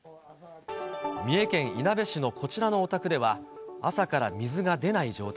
三重県いなべ市のこちらのお宅では、朝から水が出ない状態。